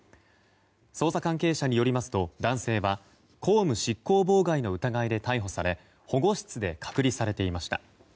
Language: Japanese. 捜査関係者によりますと男性は公務執行妨害の疑いで逮捕され保護室で隔離されていました。